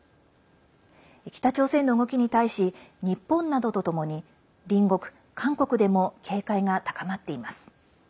北朝鮮の動きに対し日本などとともに隣国、韓国でも警戒が高まっています。